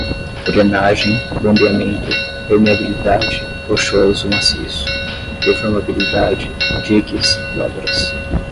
drenagem, bombeamento, permeabilidade, rochoso maciço, deformabilidade, diques, dobras